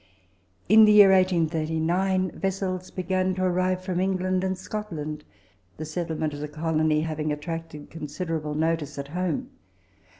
In the year 1839 vessels began to arrive from England and Scotland, the settlement of the colony having attracted consider able notice at home.